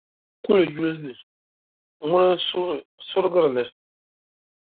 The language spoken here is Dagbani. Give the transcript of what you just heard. Ŋun su kuli yuli ni, ŋuna n-surigiri li.